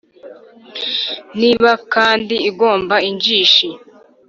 niba kandi igomba injishi